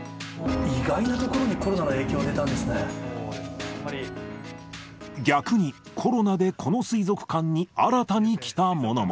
意外なところにコロナの影響、逆に、コロナでこの水族館に新たに来たものも。